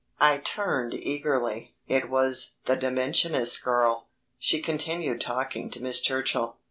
I turned eagerly. It was the Dimensionist girl. She continued talking to Miss Churchill.